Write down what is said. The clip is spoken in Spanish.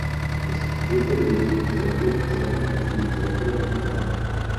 Estudió periodismo, teoría Literaria y literatura comparada.